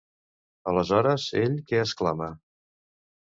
Aleshores, ell què exclama?